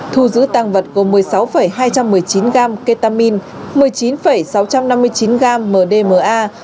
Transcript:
thu giữ tăng vật gồm một mươi sáu hai trăm một mươi chín gram ketamine một mươi chín sáu trăm năm mươi chín gam mdma